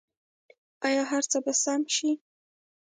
آیا هر څه به سم شي؟